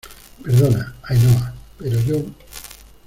perdona, Ainhoa , pero yo...